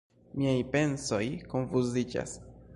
Miaj pensoj konfuziĝas.